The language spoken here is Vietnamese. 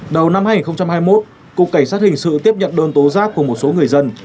đầu năm hai nghìn hai mươi một cục cảnh sát hình sự tiếp nhận đơn tố giác của một số người dân